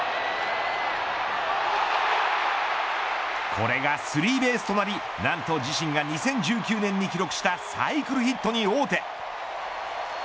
これがスリーベースとなりなんと自身が２０１９年に記録したサイクルヒットに王手。